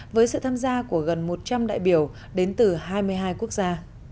với sự tham gia của gần một trăm linh đại biểu đến từ hai mươi hai quốc gia